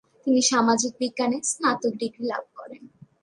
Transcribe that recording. তিনি সামাজিক বিজ্ঞানে স্নাতক ডিগ্রি লাভ করেন।